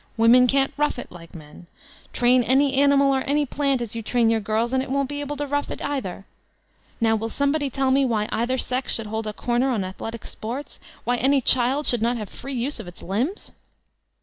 "Women can't rough it like men." Train any animal, or any plant, as you train your girls, and it won't be able to rou^ it either. Now tviU somebody tell me why either sex should hold a comer on athletic sports? Why any child rfiould not have free use of its limbs